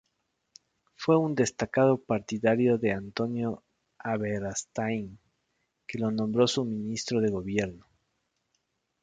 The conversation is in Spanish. Fue un destacado partidario de Antonino Aberastain, que lo nombró su ministro de gobierno.